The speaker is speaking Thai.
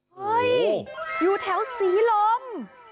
เฮ้ยอยู่แถวศรีลม